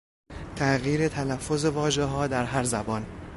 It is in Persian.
تغییر تلفظ واژهها در هر زبان